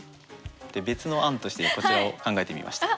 別の案としてこちらを考えてみました。